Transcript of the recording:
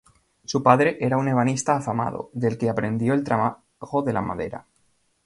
Su padre era un ebanista afamado, del que aprendió el trabajo en la madera.